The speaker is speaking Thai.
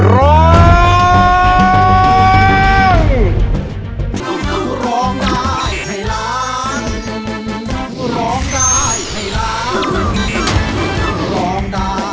ร้อง